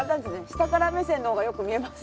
下から目線の方がよく見えますね。